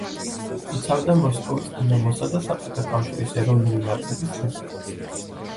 იცავდა მოსკოვის „დინამოსა“ და საბჭოთა კავშირის ეროვნული ნაკრების ღირსებას.